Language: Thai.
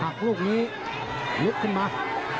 หักลูกนี้ลึกขึ้นมา